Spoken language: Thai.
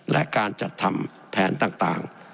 และการจัดทำแผนต่าง